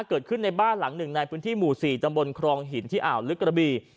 เกิดขึ้นในบ้านหลังหนึ่งในพื้นที่หมู่๔ตำบลครองหินที่อ่าวลึกกระบี